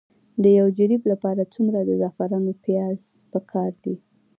د یو جریب لپاره څومره د زعفرانو پیاز پکار دي؟